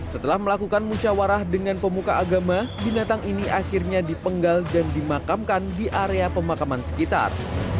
setelah melakukan musyawarah dengan pemuka agama binatang ini akhirnya dipenggal dan dimakamkan di area pemakaman sekitar